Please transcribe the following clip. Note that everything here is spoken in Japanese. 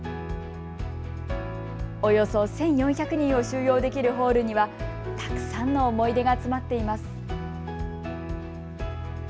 およそ１４００人を収容できるホールにはたくさんの思い出が詰まっています。